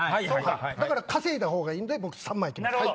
だから稼いだほうがいいので僕３枚行きます。